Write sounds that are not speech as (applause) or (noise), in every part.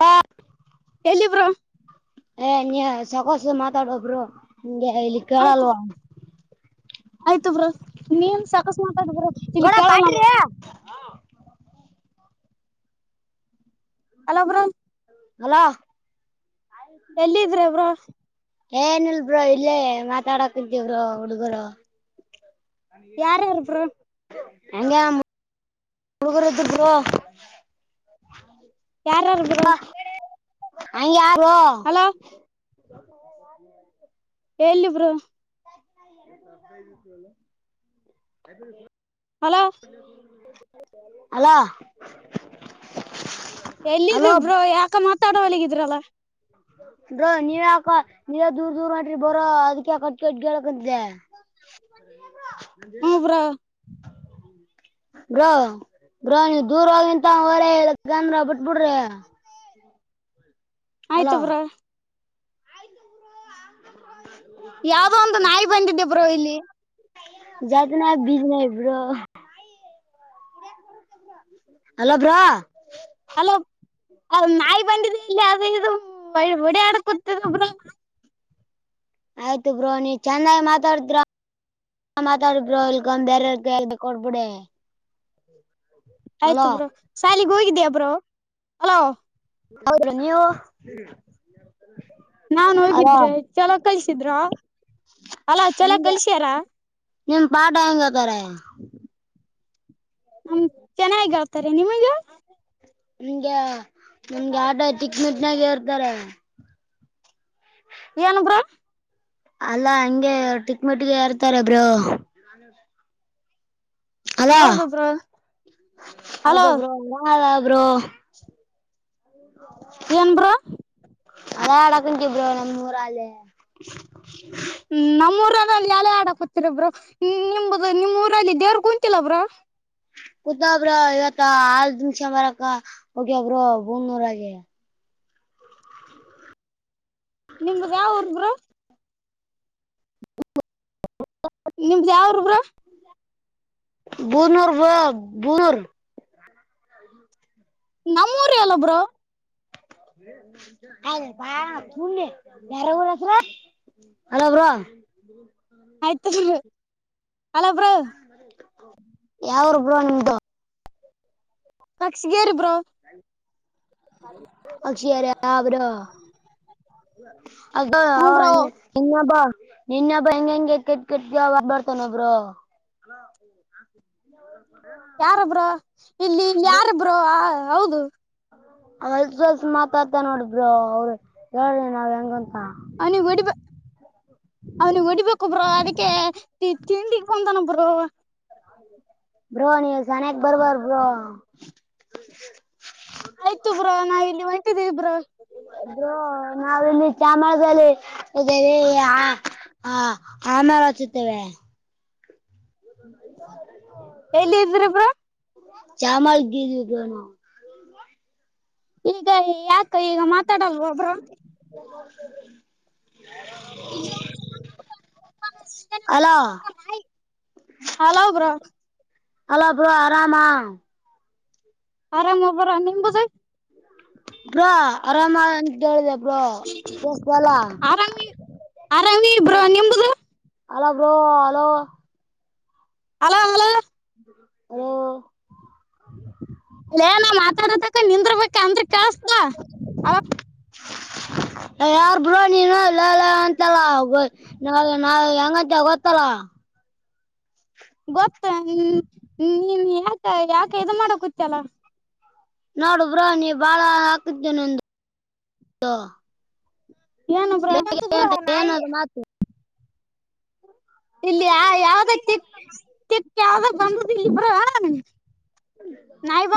ಹ ಎಲ್ಲಿಿ ಬ್ರೋ ಏ ನೀ ಸಾಕೋಸ ಮಾತಾಡ ಒಬ್ರು ನಿಂಗೆ ಹೇಳಲಿ ಆಯ್ತು ಬ ಆಯ್ತು ಬ್ರ ನೀನ್ ಸಾಕಸ್ಮ ತಿಿ ಗೌಡ ಕೇಳಲ್ಲ ಪಾಟ್ರಿ ಅಲಬ್ರು ಅಲೋ ಎಲ್ಲಿದ್ರೆಬ್ರ ಏನ ಇಲ್ಬೋ ಇಲ್ಲೇ ಮಾತಾಡಕಂತೀವರು ಹುಡುಗರು ಯಾರ್ಯಾರು ಬ್ರೋ ಹಂಗ ಮುಳಗರದು ಯಾರಾರ ಬರು ಹ ಯಾರು ಅಲೋ ಎಲ್ಲಿಬ್ರು ಗತ್ತುಲ್ಲ ತ ಹಲೋ. ಅಲೋ. ಎಲ್ಲಿದಿಬ್ರೋ ಯಾಕ ಮಾತಾಡವಲಾಗಿದಿರಲಾ. ಬ್ರೋ ನೀವ ಯಾಕ ನೀವ ದೂರ್ ದೂರ್ ಮಾಡ್ರಿ ಬರೋ ಅದಕ ಯಕ ಅಕಂತೆ. ಹ್ಮ್ (unintelligible) (unintelligible) ಬ್ರೋ ಬ್ರೋ ನೀವು ದೂರ ಹಂತ ಹೊರ ಹೇಳಂದ್ರ ಬಿಟ್ಬಿಡ್ರಿ. ಆಯ್ತು ಹಲೋ ಬ್ರೋ. ಯಾವ್ದೋ ಒಂದು ನಾಯಿ ಬಂದಿದ್ದೆ ಬ್ರೋ ಇಲ್ಲಿ. ಜದು ನ ಬಜನ ಇಬರು. ಅಲೋ ಬ್ರಾ. ಅಲೋ ನಾಯಿ ಬಂದಿದೆ ಇಲ್ಲಿ ಇದು ವಡ ಆಡ ಕೂತದ ಬ್ರೋ. ಆಯ್ತು ಬ್ರೋ ನೀ ಚೆನ್ನಾಗಿ ಮಾತಾಡ್ತಿರ. ನಾ ಮಾತಾಡಿಬ್ರೋ ಅಲ್ಗ ಒಂದ್ ಬೇರೆ ಅವ್ರ್ ಕೈಲಿ ಕೊಡ್ಬೇಡಿ. (unintelligible) ಆಯ್ತು ಬ್ರೋ ಶಾಲಗ್ ಹೋಗಿದೀಯ ಬ್ರೋ ಅಲೋ. ಹೌದ್ರಿ ನೀವು. ನಾನ್ ಅಲೋ ಹೋಗಿದ್ರೆ ಚಲೋ ಕಲ್ಸಿದ್ರ ಅಲ ಚಲೋ ಕಲ್ಸ್ಯಾರ. ನೀನ್ ಪಾಟ ಹೆಂಗಧಾರೆ. ನಮ ಚೆನ್ನಾಗ ಹೇಳ್ತಾರಾ ನಿಮಿಗ್. ನಿಮ್ಗೆ ನಿಮ್ಗೆ ಆಟೋ ಚಿಕ್ಮಿಟ್ನಾಗ ಇರ್ತಾರೆ. ಏ ಅನುಬ್ರ ಅಲ್ಲಾ ಹಂಗೆ ಟಿಕ್ ಮಟ್ಟಿಗೆ ಇರ್ತಾರಬ್ರು ನಾನ ಅದಾ ಹೌದು ಬ್ರೋ ಹೌದ ಹಲೋ ಬ್ರ ಹಾ ಬ್ರೋ ಏನ್ ಬ್ರೋ ಅದ ಅಡಕಂ ಿಬ್ರವರಿ ಅ ಮೂೂರಲ್ಲೆ ನಮೂರಲ್ಲಿ ಉಯ್ಯಲೆ ಅದಕತರ ಬ್ರೋ ನಿಮ ನಿಮ್ಮ್ ಊರಲ್ಲಿ ದೇವ್ರ ಕುಂತಿಲ್ಲ ಬ್ರೋ. ಕುತಾಬ್ರೋ ಇವತ್ತ ಹಾಲ್ ತುಂಬಸ್ಕೊಬಾರಕ ಹೋಗ್ಯಾವ ಬ್ರೋ ಬೂಮನೂರಗೆ. ನಿಮದ್ ಯಾವ್ ಉರ್ ಬ್ರೋ. ನಿಮ್ದ್ ಯಾವ್ ಊರು ಬ್ರೋ. ಬೂನೂರ್ ವ ಬುನೂರ್. ನಮ್ಮೂಊರ ಎಲ್ಲೊಬ್ರು ಅ ತ ಯಾರ ಹಊ ನರ (unintelligible) ಹಲೋ ಬ್ರಾ ಆಯ್ತು ಬ್ರೋ. ಅಲ್ಲ ಬ್ರೋ ಯಾವರು ಬೋ ನಿಮ್ದು ನಕ್ಷಿಗೇರಿಬ್ರು ಅಕ್ಷ ಅರ ಯಬರ ಅದ ಹ ಹ್ಮ ಬ್ರೋ ಇನ್ನೊಬ್ಬ ಇನ್ನಬ್ಬ ಹೆಂಗ ಹೆಂಗೆ ಕೆಟ್ ಕೆಟ್ ಬರ್ತಾನ ಒಬ್ರು ಹ ಯಾರಬ್ರ ಇಲ್ಲಿ ಇಲ್ಲಿ ಯಾರಬ್ಬ್ರ ಆ ಹೌದು ಹೊಲ್ಸ ಹೊಲ್ಸ ಮಾತಾಡ್ತ ನೋಡ ಬ್ರೋ ಅವ್ರರು ಹೇಳಿ ನಾವ್ ಹೆಂಗಂತ ಅ ವಡಿ ಅವ್ನಿಗೆ ಹೊಡಿಬೇಕೊಬ್ರೊ ಅದಕ್ಕೆ ತಿಂಡಿಗ್ ಬಂದನಬರು ಹ್ಮ ಬ್ರೋ ನೀವು ಸನಕ್ ಬರ್ಬಾರ ಬ್ರೋ ಆಯ್ತು ಬ್ರೋ ನಾ ಇಲ್ಲಿ ಹೊಂಟಿದ್ದೀ ಬ್ರೋ ಬ್ರೋ ನಾವಿಲ್ಲಿ ಚಾಮರದಲ್ಲಿ ಇದೇವೆ ಆಮರ ಹಚುತ್ತೇವೆ (unintelligible) ಎಲ್ಲಿ ಇದ್ರಿಬ್ರ ಚಾಮಲ್ ಗಿ ಗನ ಈಗ ಯಾಕ ಈಗ ಮಾತಾಡಲ್ವ ಒಬ್ಬ್ರ ಹ ಇಜ hello hello bro (unintelligible) hello bro ಆರಾಮಾ ಆರಾಮ ಬ್ರೋ ನಿಮ್ಮದು ಬ್ರೋ ಆರಾಮ್ ಏನಂತ ಕೇಳಿದೆ ಕೇಳಿಸ್ತಾ ಇಲ್ಲ ಆರಾಮಿ ಆರಾಮಿ ಇಬ್ರು ನಿಮದು hello bro hello hello hello hello ಎಲೆ ಮಾತಾಡದಕ್ಕ ನಿಂದ್ರಬೇಕ ಅಂದ್ರ ಕೇಳುತ್ತೆ ಯಾರ್ ಬ್ರೋ ನೀನು ಇಲ್ಲ ಅಂತ ಗೊತ್ತಲ್ಲ ನ ನಾ ಹೆಂಗಂಂತ ಗೊತ್ತಲ್ಲ ಗೊತ್ತ ನೀನ್ ಯಾಕ ಯಾಕ ಇದು ಮಾಡ ಕುೂತ್ತಲ್ಲ ನೋಡು ಬ್ರೋ ನೀ ಬಾಳ ಹಾಕತೀ ಏನು ಬ್ರಂತ ಬ್ರ ಅಂತ ನಾಯಿ ಏನದು ಮಾತು ಇಲ್ಲಿ ಯ ಯಾವ್ದ ತಿ ತಿಕ್ಕ ಯಾವ್ದ ಬಂದಲ್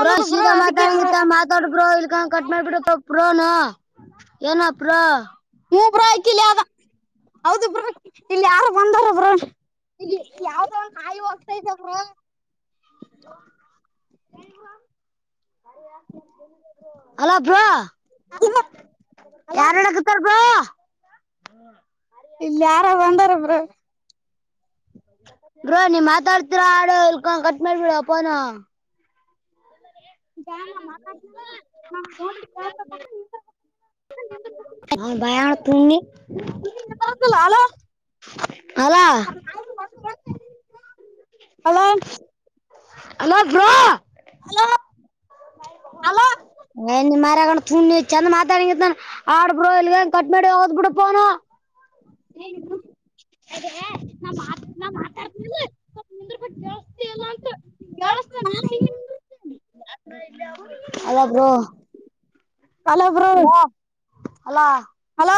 ಬ್ರೋ ಸೀದಾ ಅದಕ್ಕೆಬ ಮಾತಾಡಂಗಿತ್ತ ಮಾತಾಡು ಬ್ರೋ ಕಟ್ ಮಾಡಬಿಡ ಪ್ರೋನಾ ಏನ ಪ್ರೋ ಮೂ ರಾಯ್ ಕಿಲಿಗ ಹೌದು ಇಲ್ಲಿ ಯಾರು ಬಂದಾರ ಬ್ರ ಇಲ್ಲಿ ಯಾವ್ದ ಒಂದ ನಾಯಿ ಹೋಗ್ತಾತೆ ಬ್ರ ಹೇಳ ಅಲ ಬ್ರಾ ಅಲ ಯಾರ್ಣಗತಾರ ಬ್ರೋ ಇಲ್ಲ ಯಾರ ಬಂದಾರಬ್ರ ಬೋ ನೀ್ ಮಾತಾಡ್ತಿೀರಾ ಆಡು ಕಟ್ ಮಾಡ್ಬಿಡಪ್ಪೋನ ನ ಮಾತಾಡ್ ನಾ್ ತೋಲಿಕ್ಕೆಳ್ ನಿ ನಿಂತಿರ್ಬೇಕು (inaudible) ಅಲಾ ಹಲೋ ಬ್ರಾ ಹಲೋ ಅಲೋ ನ ಮರ ತುಣಿ ಚ ಅಂದ ಮಾತಾಡ ಆಡ್ಬೋ ಇಲ್ಲಿಗನ್ ಕಟ್ ಡಿ ಹೋದ್ ಬಿಡುೋನು ಅದ ನ ನ ಮಾತಾಡ್ತ ಜಸ್ ಅ ನಾನ ಅಲ್ಲ ಬ್ರೋ ಹಲೋ ಅಲಾ ಹಲೋ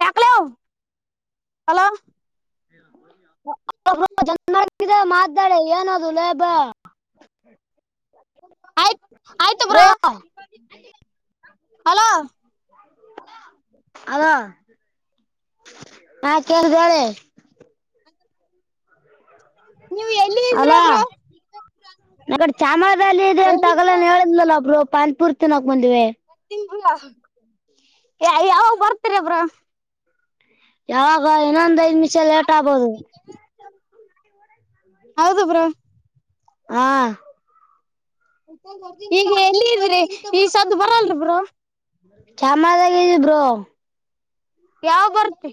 ಚಾಕಲವು ಹಲೋ ಹ ಹ ಇ ಮಾತಾಡ ಏನದು ಲೇಬ ಆಯ್ತ ಆಯ್ತು ಬ್ರಾ ಬ್ರೋ ಅಲೋ ಅಗ ಹ ಕೆೇಳಿದಡೆ (inaudible) ನೀವ್ ಎಲ್ಲಿ ಅಲ ಇದ್ರ ಬ್ರೋ ನಗಡೆ ಚಾಮರಲ್ಲಿ ಇದೆ ಅಂತ ತಗಲ ಎಲ್ಲಿದ್ರ ಹೇಳಿದ್ಲಲ್ಲಾ ಒಬ್ರು ಪಾಂಪೂರ್ ತಿನ್ನಕ ಬಂದಿವೆ ಯಾವ ಬರ್ತರ ಬ್ರ ಯಾವಾಗ ಇನ್ನೊಂದ್ ಐದ್ ನಿಮಿಷ ಲೇಟ್ ಆಗ್ಬೋದು ಹೌದು ಬ್ರ ಹಾಂ ಈಗ ಎಲ್ಲಿ ಇದ್ರಿ ಈ ಸ್ದು ಬರಲ್ರಿ ಬ್ರ ಶಾಮದಾಗ ಇದಬರು ಯಾವ್ ಬರ್ತ್ತ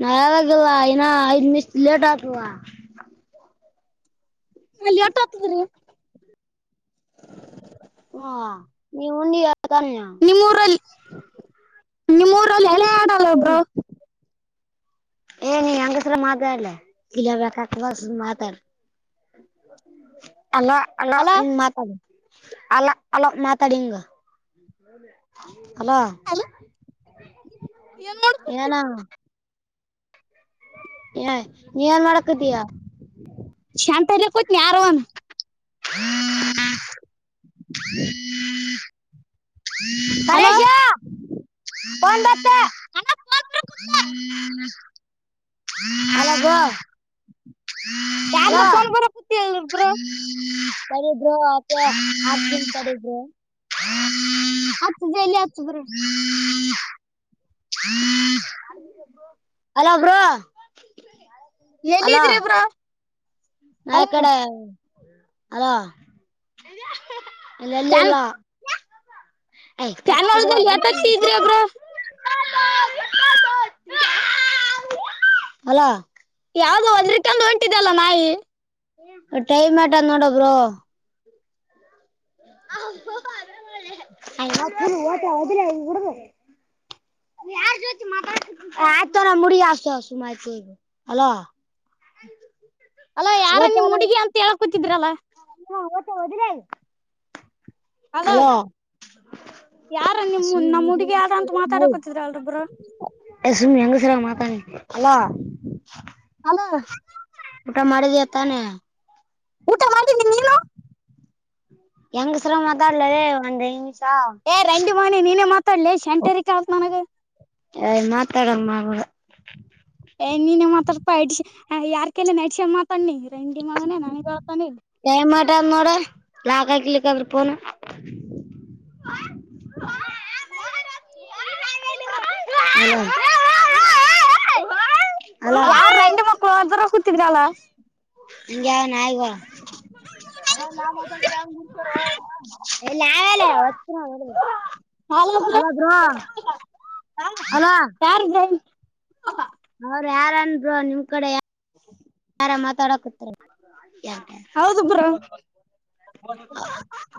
ನಾ ಯಾವಾಗಿಲ್ಲ ಇನ್ನ ಐದ್ ನಿಮಿಷ ಲೇಟ್ ಆತ್ಲ್ವಾ ಅಲ್ಲಿ ಆಟ್ಟ ಆಗ್ತದೆ ನೀವು ಹಾ ನೀವು ನೀನ್ಯ ನಿಮ್ಮೂರಲ್ಲಿ ನಿಮ್ಮೂರಲ್ಲಿ ಎಲೆ ಆಲ್ಲ ಒಬ್ರು ಏ ನೀ ಹೆಂಗಸತ್ರ ಮಾತಾಡ್ಲ ಇಲ ಬಕ ಬ ಮಾತಾಡ್ ಅಲ್ಲ ಹಲೋ ಅಲ್ಲಂಗ ಮಾತಾಡಿ ಅಲ್ಲ ಅಲ್ಲ ಮಾತಾಡಿಂಗ ಹಲೋ ಏನ್ ಮಾಡ್ಕೊತಿ ಏನಾ ಏ ನೀ ಏನ್ ಮಾಡಕಿದೀಯಾ ಶಂತಲ್ಲ ಕೂತನಿ ಯರೋನ್ ಹ್ಮ ಹಲೋ ಮೇಶ ಬ ಬತ್ತ ಹ ಹ ಏ ಕಡಿದ್ರು ಆ ಆನ್ ಕಡಿದ್ರು ಆತ್ತು ಜೈಲಿ ಆತ್ತುು ಬರ ಹ್ಮ್ ಅಲೋ ಬ್ರೋ ಹಲೋ ಎಲ್ಲಿದ್ರಿಬ್ರ ನಾ ಕಡೆ ಅದಾಲ್ಲಿಿ ಚಾನ್ ಎಲ್ಲಾ ಆ ಪಕ್ ಚಾನಲ್ದಲ್ಲಿ ಎಟ್ ಹತ್ತಿದ್ರಿ ಬ್ರೋ ಅಲ (unintelligible) ಯಾವ್ದೋ ಒಂದ್ ರಿಟನ್ ಹೊಂಟಿದೆ ಅಲ್ಲ ನಾಯಿ ಟೈಮ್ ಆಟ ನೋಡಬರು ಆರ್ (unintelligible) ಹ ದಿಲ್ಲಡ್ದ ಆಯ್ತಾರ ಮುಡಿ ಆತ ಸುಮಾಯ್ತು ಅಲ (unintelligible) ಅಲ್ಲ ಯಾರ ನೀ ಹುಡುಗಿ ಅಂತ ಹೇಳಕೂತಿದ್ರಲ್ಲ ಹಾ ಓತ ಹೋದಿ್ರ ಅಲೋ ಹೆಲೋ ಯಾರ ನಿಮ್ ನಮ್ಮ್ ಹುಡುಗ ಯಾರ ಅಂತ ಮಾತಾಡಕೋತಿದ್ರ ಅಲ್ೊಬ್ಬರು ಎ ಸುಮ್ಮಿ ಹೆಂಗ ಸರ ಮಾತಾಾನ ಅಲ್ಲಾ ಅಲ ಊಟ ಮಾಡಿದಯ ತಾನೆ ಊಟ ಮಾಡಿದ್ದೀಿ ನೀನು ಹೆಂಗ್ ಸುರ ಮಾದಾ ಇಲ್ಲದೇ ಒಂದ ಇಂಗ್ಲೀಷ್ ಏ ರಂಡಿ ಮನೆಿ ನೀಿನೇ ಮಾತಾಡ್ಲಿ ಶೆಂಟರಿ ಕಲ್ತ್ ನನಗ ಅಯ್ ಮಾತಾಡಂಗ ಮಗುವ ಏ ನೀನ ಮಾತಾಡ್ಪಾ ಇಡ್ ಯಾರ್ಕಲ್ಲ ನೆಡ್ಸ ಮಾತಾಿ ರಂಗಂಡಿ ಮಗನ ನನಗ್ ಬಳ್ತಾನ ಇಲ್ಲಿ ಟೈಮ್ ಮಾಡದ್ ನೋಡ್ರ ಲಾಕ್ ಹಾಕಲಿಕ್ಕ ಆದ್ರ ಪೋನ ಹ ಹಲೋ ಯಾರ್ ರಂಡ್ ಮಕ್ಳುತ್ರರ ಕೂತಿದ್ರಲ್ಲ ಹಂಗ ಯಾವನ ಆಯಗ ಎಲ್ಲಲ ಅತ್ರ ಹ ಅಲ ಅವ್ರ ಯಾರನ್ರು ನಿಮ್ ಕಡೆ ಹ ಮಾತಾಡಕ ಯಾ ಹೌದು ಬ್ರಾ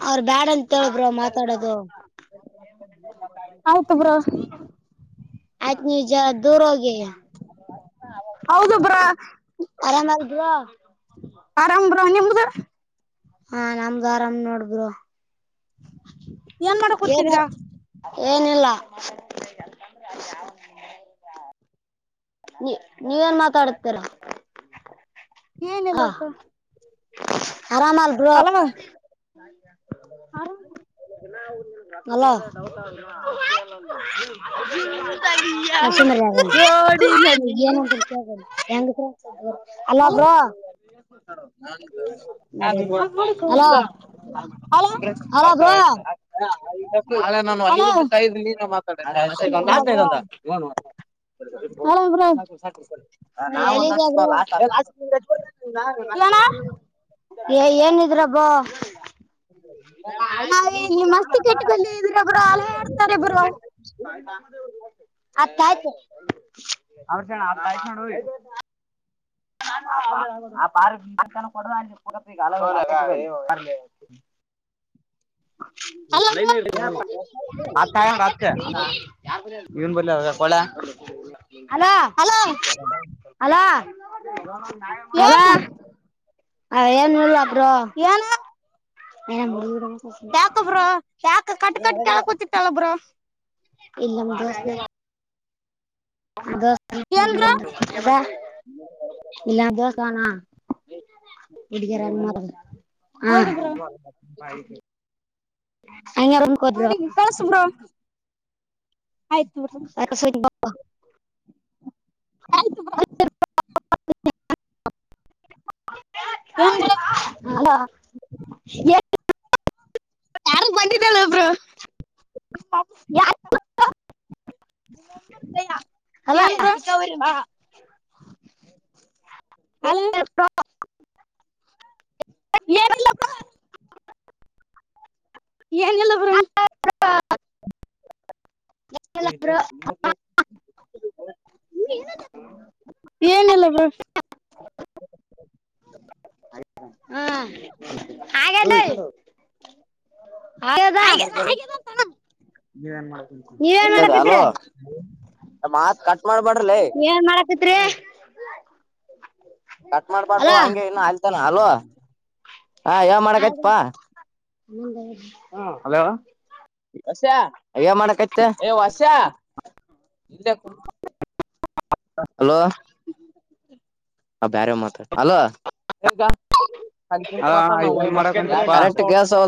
ಅವ್ರ ಬ್ಯಾಡ ಅಂತೇಳಬ್ರರು ಮಾತಾಡೋದು ಹೌತಬ್ರ ಆಯ್ತ ನೀವು ಜ ದೂರ ಹೋಗಿ ಹೌದು ಬ್ರೋ ಆರಾಮಾಗ್ದವಾ ಆರಾಮ್್ರ ನಿಮದ ಹ ನಮ್ಗ ಆರಾಮ ನೋಡಬರು ಏನ್ ಮಾಡಕ್ ಏನ ಕೂತಿದೀರಾ ಏನಿಲ್ಲ. ನೀ ನೀವ ಏನ್ ಮಾತಾಡತೀರಾ ಏನಿಲ್ಲ ಅಕ್ಕಾ. ಆರಾಮ ಅಲ್ಲ ಬ್ರೋ. (inaudible) ಹಲೋ (unintelligible) ರೋಡಿನಲಿ (unintelligible) ಹೆಂಗ್ ನಾಳೆ ಇತ್ರ ಅಲ ಬ್ರೋ (unintelligible) (unintelligible) ಹಲ ಅಲೋ ಅಲೋ ಬ್ರೋ ಹೆ ನಾನ ಅಲೋ ಬ್ರೋ ಮಾತಾಂತ ನಾವ ಒಂದ್ ಎಲ್ಲಿದೆ ಬ್ರೋ ಹಚ್ (unintelligible) ಏಣ. ಏ ಏನಿದ್ರ ಬ್ರೊ? ನಿ ಮಸ್ತಿ ಕೆಟ್ಟ ಇದ್ರಬರು ಅಲ ಹಡ್ತಾರೆ ಬ್ರೋ. ಹತ್ತ ಆಯ್ತು ಅವ್ರ ಜ ಆತಾಯ ಕಣ. (unintelligible) (unintelligible) ಹಲೋ ಬ್ರೋ ಇವನ ಬಲ್ಲಿ ಆದ ಕೋಡಲ್ಯ. ಅಲೋ. ಹಲೋ ಹಲೋ ಹಲೋ ಏನ್ ಅ ಏನ್ ಇಲ್ಲ ಬ್ರೋ ಏನ ಏಯ್ ನಮ್ ಹುಡುಗುರ್ ಯಾಕ ಬ್ರೋ (unintelligible) ಯಾಕ ಕಟ್ ಕಟ್ ಕೇಳ ಕೂತಿತ್ತಲ್ಲ ಬ್ರೋ. ಇಲ್ ನಮ್ ದೋಸ್ತ್ (unintelligible) ಏನ್ (unintelligible) ಬ್ರೋ ಅತ್ತ ಇಲ್ಲಾ ದಿವಸಣ ಕುಡಿಕರ ಹ ಹೌದು ಬ್ರೋ ಹಂಗೇರು ಬ್ರೋ ಅವರಿಗಿ ಕಳಸೂ ಬ್ರೋ ಆಯ್ತು ಬ್ರೋ ಕಳಸ್ತಾ ಬ್ರೋ ಆಯ್ತು ಬ್ರೋ ಏನ್ ಬ್ರೋ ಹಲೋ (unintelligible) ಎ (unintelligible) ಯಾರ ಬಂದಿದಳ ಒಬ್ರು ನಿಮ್ಮಪ್ಪ ಅಲ್ಲ ಏನ್ ಬ್ರೊ? ಹ (unintelligible) ಏನಿಲ್ಲ (unintelligible) ಏನಿಲ್ಲ ಬ್ರೊ. ಏನಿಲ್ಲ ಬ್ರೊ. ಹಾ ಹಾಗ ಹಾಗದ. ನೀವೇನ್ ಸರಿ ಮಾಡಕತ್ತೀರಿ ಹಲೋ ಮಾತ್ ಕಟ್ ಮಾಡ್ಬಾಡ್ರಲೇ ಏನ್ ಮಾಡ್ ಹತ್ರಿ. ಕಟ್ ಮಾಡ್ಬಾರ್ದು ಹಂಗೆ ಇನ್ನು ಅಲ್ತಾನ ಅಲೋ ಹ ಯಾವ ಮಾಡಕಯತ್ಪಾ. ಹ ಹಲೋ ಹೇಳ. ಹೊಸ್ಯಾ ಏನ್ ಮಾಡಕ್ಯತೆ ಯ ಹೊಸ್ಯಾ. ಅಲೋ ಆ ಬ್ಯಾರೆರ್ ಮಾತ (unintelligible) ಏನ್ ಮಾಡಕಂತಪ್ಪಾ ಕರೆಂಟು ಗ್ಯಾಸೊ